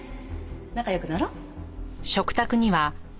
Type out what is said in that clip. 仲良くなろ？